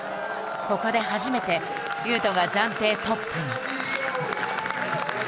ここで初めて雄斗が暫定トップに。